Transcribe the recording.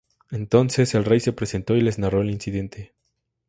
Entonces el rey se presentó y les narró el incidente.